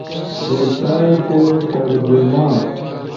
ویب سائٹے ترجمہ